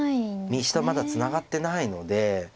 右下まだツナがってないので。